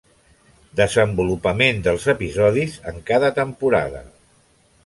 Desenvolupament dels episodis en cada temporada.